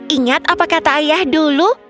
ingat apa kata ayah dulu